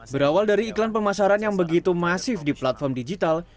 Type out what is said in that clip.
berawal dari iklan pemasaran yang begitu masif di platform digital